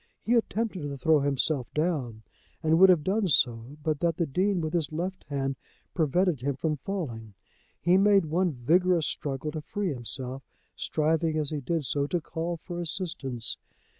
He attempted to throw himself down, and would have done so but that the Dean with his left hand prevented him from falling. He made one vigorous struggle to free himself, striving as he did so to call for assistance.